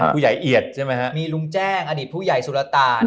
ผู้ใหญ่เอียดใช่ไหมฮะมีลุงแจ้งอดีตผู้ใหญ่สุรตา